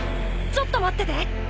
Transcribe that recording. ちょっと待ってて。